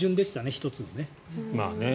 １つのね。